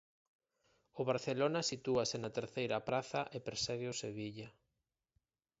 O Barcelona sitúase na terceira praza e persegue o Sevilla.